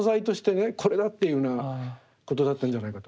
これだっていうふうなことだったんじゃないかと。